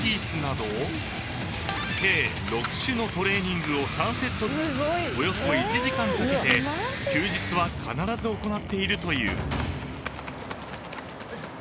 ［計６種のトレーニングを３セットずつおよそ１時間かけて休日は必ず行っているという］